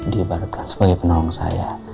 diibaratkan sebagai penolong saya